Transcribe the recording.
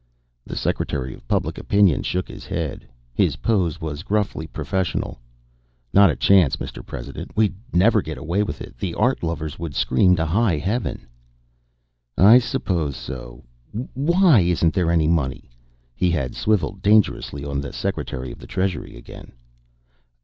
The Secretary of Public Opinion shook his head. His pose was gruffly professional. "Not a chance, Mr. President. We'd never get away with it. The art lovers would scream to high Heaven." "I suppose so.... Why isn't there any money?" He had swiveled dangerously on the Secretary of the Treasury again.